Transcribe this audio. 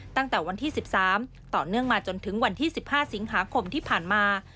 ตั้งแต่วันที่๑๓ต่อเนื่องมาจนถึงวันที่๑๕สิงหาคมที่ผ่านมา